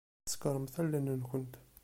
Ṣekkṛemt allen-nkent.